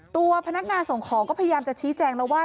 ตัวพนักงานส่งของก็พยายามจะชี้แจงแล้วว่า